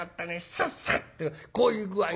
サッサッとこういう具合にね。